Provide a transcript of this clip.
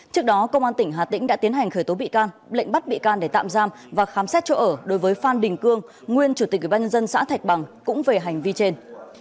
trước đó công an tỉnh hà tĩnh đã tiến hành khởi tố bị can lệnh bắt bị can để tạm giam và khám xét chỗ ở đối với phan đình cương nguyên chủ tịch ủy ban nhân dân xã thạch bằng cũng về hành vi trên